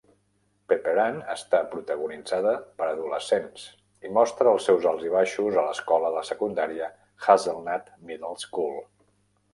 "Pepper Ann" està protagonitzada per adolescents i mostra els seus alts i baixos a l'escola de secundària Hazelnut Middle School.